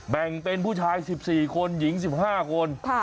แบ่งเป็นผู้ชาย๑๔คนหญิง๑๕คน